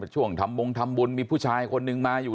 ช่วงทำบงทำบุญมีผู้ชายคนนึงมาอยู่